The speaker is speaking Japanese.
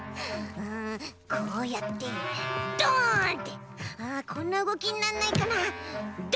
こうやってドンってこんなうごきになんないかな。